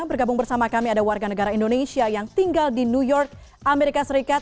bergabung bersama kami ada warga negara indonesia yang tinggal di new york amerika serikat